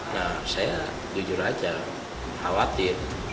nah saya jujur aja khawatir